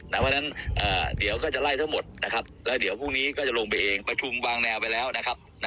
แล้วเดี๋ยวพรุ่งนี้ก็จะลงไปเองประชุมบางแนวไปแล้วนะครับ